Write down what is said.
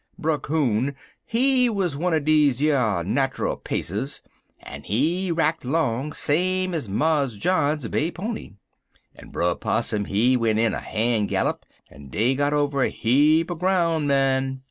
Brer Coon, he wuz one er deze yer natchul pacers, en he racked 'long same ez Mars John's bay pony, en Brer Possum he went in a han' gallup; en dey got over heap er groun, mon.